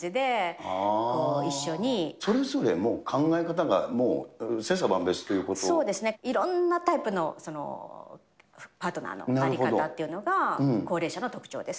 それぞれもう、そうですね、いろんなタイプのパートナーの在り方っていうのが、高齢者の特徴です。